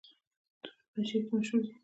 توت په پنجشیر کې مشهور دي